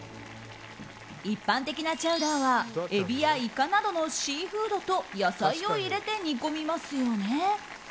一般的なチャウダーはエビやイカなどのシーフードと野菜を入れて煮込みますよね？